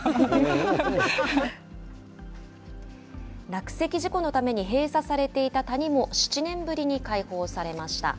落石事故のために閉鎖されていた谷も７年ぶりに開放されました。